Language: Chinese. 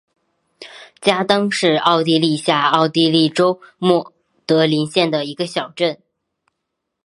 加登是奥地利下奥地利州默德林县的一个市镇。